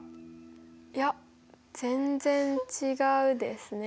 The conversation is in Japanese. いや全然違うですね。